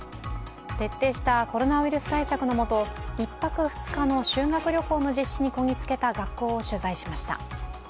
徹底したコロナウイルス対策のもと、１泊２日の修学旅行の実施にこぎ着けた学校を取材しました。